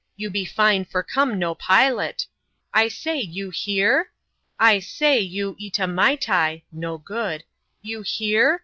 — You be fine for come no pilot. — I say, you hear? — I say, you ita maitai (no good) — You hear?